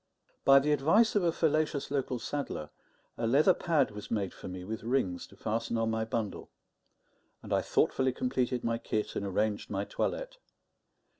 By the advice of a fallacious local saddler, a leather pad was made for me with rings to fasten on my bundle; and I thoughtfully completed my kit and arranged my toilette.